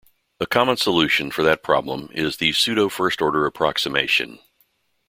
A common solution for that problem is the pseudo-first order approximation.